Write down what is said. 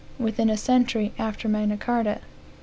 within a century after Magna Carta.